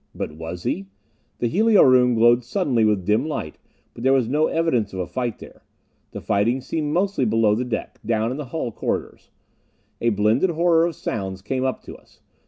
But was he? The helio room glowed suddenly with dim light, but there was no evidence of a fight there. The fighting seemed mostly below the deck, down in the hull corridors. A blended horror of sounds came up to us.